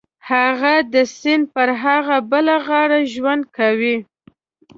هغه د سیند پر هغه بله غاړه ژوند کاوه.